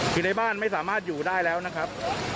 คือในบ้านไม่สามารถอยู่ได้แล้วนะครับ